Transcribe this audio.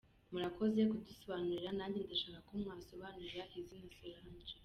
Murakoze kudusobanurira ,nanjye ndashaka ko mwasobanurira izina Solange.